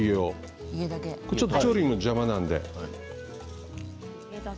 調理の邪魔なので。